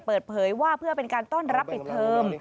เปิดเผยว่าเพื่อเป็นการต้อนรับปิดเทอม